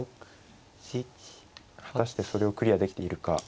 果たしてそれをクリアできているか。